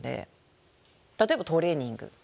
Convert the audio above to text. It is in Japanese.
例えばトレーニング。